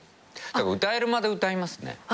歌えるまで歌いますね。